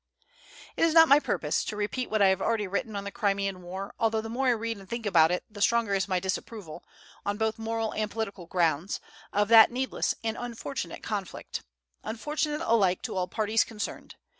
It is not my purpose to repeat what I have already written on the Crimean war, although the more I read and think about it the stronger is my disapproval, on both moral and political grounds, of that needless and unfortunate conflict, unfortunate alike to all parties concerned.